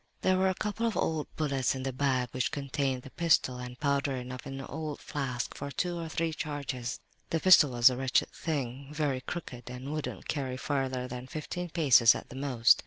"There were a couple of old bullets in the bag which contained the pistol, and powder enough in an old flask for two or three charges. "The pistol was a wretched thing, very crooked and wouldn't carry farther than fifteen paces at the most.